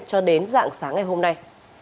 cho đến dạng sáng ngày hôm nay